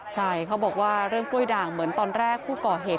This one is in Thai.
ใช่เขาบอกว่าเรื่องกล้วยด่างเหมือนตอนแรกผู้ก่อเหตุ